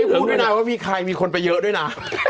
คิดจะไม่รู้ะนะว่ามีใครมีคนไปเยอะนะ